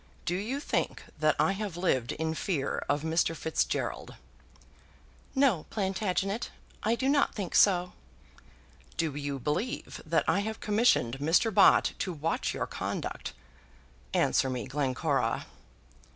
Do you think that I have lived in fear of Mr. Fitzgerald?" "No, Plantagenet; I do not think so." "Do you believe that I have commissioned Mr. Bott to watch your conduct? Answer me, Glencora."